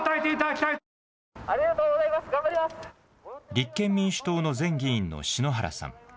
立憲民主党の前議員の篠原さん。